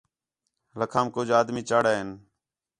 لَکھام کُج آدمی چڑھ آئن